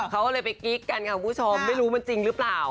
เขาเลยไปกิ๊กกันค่ะคุณผู้ชมไม่รู้มันจริงหรือเปล่า